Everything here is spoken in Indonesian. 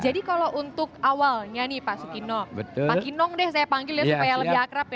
jadi kalau untuk awalnya nih pak sukino pak kinong deh saya panggil ya supaya lebih akrab ya